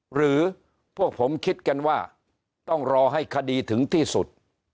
หรือพวกผมคิดกันว่าต้องรอให้คดีถึงที่สุด